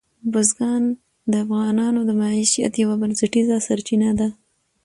بزګان د افغانانو د معیشت یوه بنسټیزه سرچینه ده.